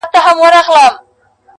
سپی دي ښخ وي دلې څه ګناه یې نسته.